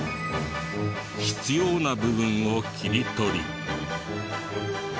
必要な部分を切り取り。